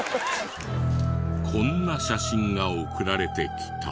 こんな写真が送られてきた。